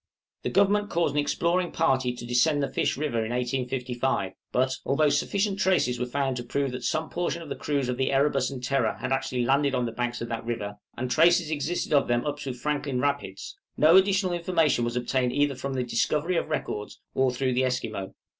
The Government caused an exploring party to descend the Fish River in 1855; but, although sufficient traces were found to prove that some portion of the crews of the 'Erebus' and 'Terror' had actually landed on the banks of that river, and traces existed of them up to Franklin Rapids, no additional information was obtained either from the discovery of records, or through the Esquimaux.